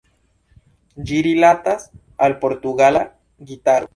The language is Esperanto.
Ĝi rilatas al Portugala gitaro.